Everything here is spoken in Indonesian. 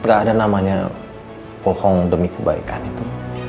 gak ada namanya bohong demi kebaikan itu